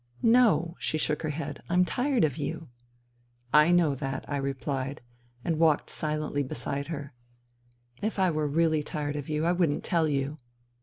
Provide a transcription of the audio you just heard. " No." She shook her head. " I am tired of you." NINA 249 " I know that," I replied, and walked silently beside her. "If I were really tired of you I wouldn't tell you."